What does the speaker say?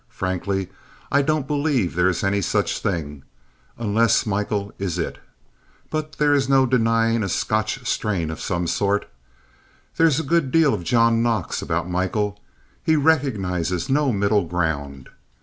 Frankly, I don't believe there is any such thing; unless Michael is it. But there is no denying a Scotch strain of some sort. There is a good deal of John Knox about Michael. He recognizes no middle ground.